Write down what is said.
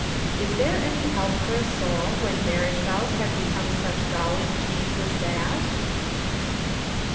Is there any help for a soul when marriage vows have become such galling chains as that